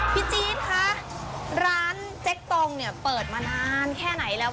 จี๊ดคะร้านเจ๊กตองเนี่ยเปิดมานานแค่ไหนแล้ว